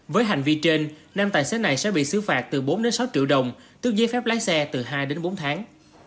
với hành vi trên nam tài xế này sẽ bị xứ phạt từ bốn sáu triệu đồng tức giấy phép lái xe từ hai bốn tháng